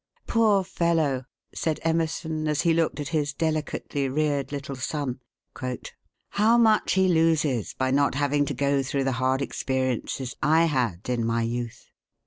"Poor fellow!" said Emerson, as he looked at his delicately reared little son, "how much he loses by not having to go through the hard experiences I had in my youth."